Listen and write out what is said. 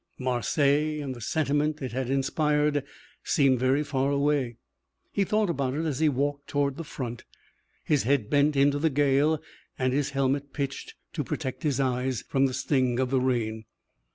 Marseilles and the sentiment it had inspired seemed very far away. He thought about it as he walked toward the front, his head bent into the gale and his helmet pitched to protect his eyes from the sting of the rain.